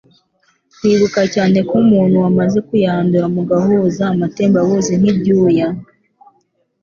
kwikuba cyane ku muntu wamaze kuyandura mugahuza amatembabuzi nk'ibyuya.